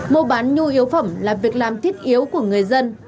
mua bán nhu yếu phẩm là việc làm thiết yếu của người dân